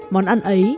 món ăn ấy